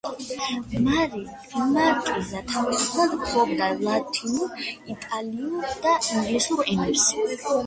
მარკიზა თავისუფლად ფლობდა ლათინურ, იტალიურ და ინგლისურ ენებს.